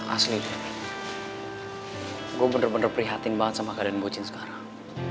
asli deh gue bener bener prihatin banget sama keadaan mbok jin sekarang